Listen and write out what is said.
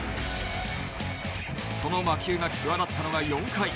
その魔球が際立ったのが４回。